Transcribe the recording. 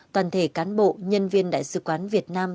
toàn thể cán bộ nhân viên đại sứ quán việt nam